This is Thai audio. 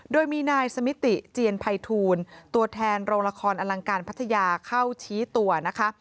โดยมีนายสมิติเจียนภัยทูลตัวแทนโรงละครอลังการพัทยาเข้าชี้ตัวนะคะ